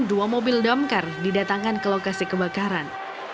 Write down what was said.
dua mobil damkar didatangkan ke lokasi kebakaran